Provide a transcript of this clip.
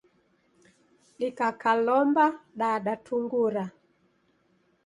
Dikakalomba dadatungura.